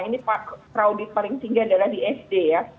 ini pak kraudit paling tinggi adalah di sd ya